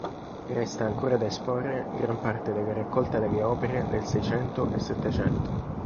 Resta ancora da esporre gran parte della raccolta delle opere del Seicento e Settecento.